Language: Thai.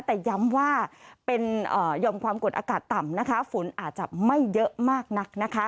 แต่ย้ำว่าเป็นยอมความกดอากาศต่ำนะคะฝนอาจจะไม่เยอะมากนักนะคะ